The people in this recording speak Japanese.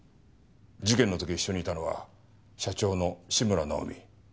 事件の時一緒にいたのは社長の志村尚美。